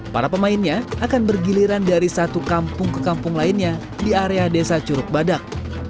para pemainnya akan bergiliran dari satu kampung ke kampung lainnya di area desa curug badak